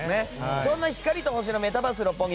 そんな光と星のメタバース六本木